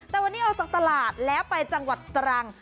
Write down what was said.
แต่วันนี้ออกจากตลาดแล้วไปจังหวัดตรัง